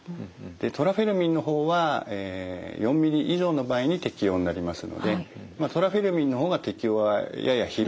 トラフェルミンの方は４ｍｍ以上の場合に適応になりますのでまあトラフェルミンの方が適応がやや広いということになります。